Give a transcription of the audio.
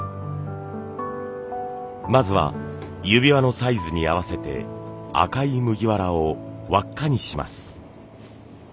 まずは指輪のサイズに合わせて赤い麦わらを輪っかにします。